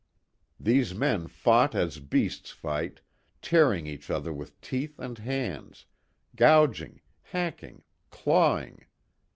These men fought as beasts fight, tearing each other with teeth and hands, gouging, hacking, clawing.